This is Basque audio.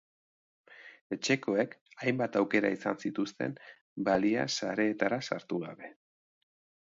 Etxekoek hainbat aukera izan zituzten balia sareetara sartu gabe.